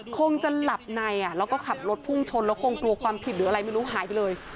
คงจะหลับในแล้วก็ขับรถพุ่งชนแล้วคงกลัวความผิดหรืออะไรไม่รู้หายไปเลย